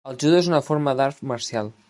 El judo és una forma d'art marcial.